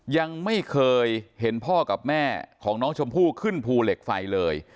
ยังไม่เคยเห็นพ่อกับแม่ของน้องชมพู่ขึ้นภูเหล็กไฟเลย